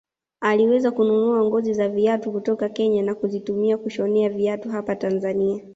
Aliweza kununua ngozi za viatu kutoka Kenya na kuzitumia kushonea viatu hapa Tanzania